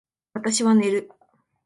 私は寝る